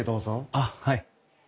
あっはい。